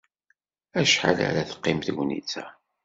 Acḥal ara teqqim tegnit-a?